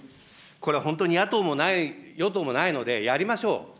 これは本当に野党もない、与党もないので、やりましょう。